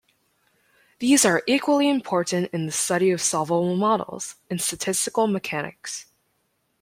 These are equally important in the study of solvable models in statistical mechanics.